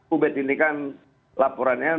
ubed ini kan laporannya